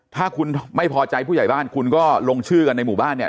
ถ้าคุณไม่พอใจผู้ใหญ่บ้านคุณก็ลงชื่อกันในหมู่บ้านเนี่ย